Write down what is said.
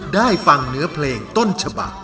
ได้ฟังเนื้อเพลงต้นฉบัก